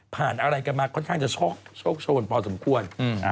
อะไรกันมาค่อนข้างจะโชคโชนพอสมควร